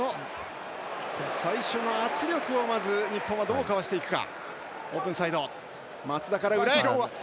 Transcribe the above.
最初の圧力を日本はどうかわしていくか。